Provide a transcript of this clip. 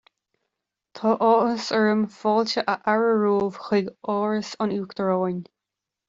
Tá áthas orm fáilte a fhearadh romhaibh chuig Áras an Uachtaráin